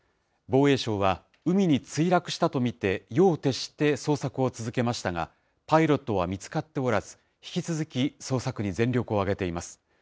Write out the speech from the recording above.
防衛省は、海に墜落したと見て、夜を徹して捜索を続けましたが、パイロットは見つかっておらず、引き続き捜索に全力を挙げています。